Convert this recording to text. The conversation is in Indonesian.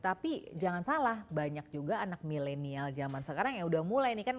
tapi jangan salah banyak juga anak milenial zaman sekarang yang udah mulai nih kan